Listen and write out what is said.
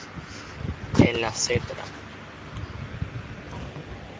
En la Ctra.